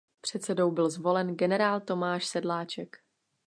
Předsedou byl zvolen generál Tomáš Sedláček.